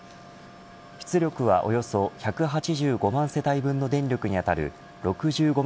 出力はおよそ１８５万世帯分の電力にあたる６５万